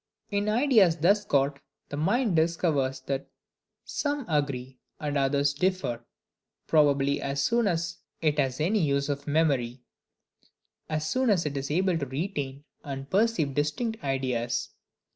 In ideas thus got, the mind discovers that some agree and others differ, probably as soon as it has any use of memory; as soon as it is able to retain and perceive distinct ideas.